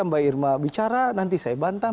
mbak irma bicara nanti saya bantah